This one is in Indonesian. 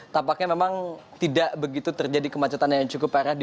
tampaknya memang tidak begitu terjadi kemacetan yang cukup parah